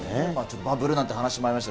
バブルなんていう話もありました。